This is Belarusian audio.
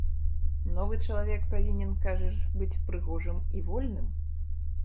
Новы чалавек павінен, кажаш, быць прыгожым і вольным?